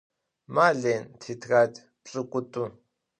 Ma, Lên, têtrad pş'ık'ut'u.